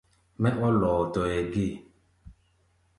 Mɛ́ ɔ́ lɔɔtɔɛ gée.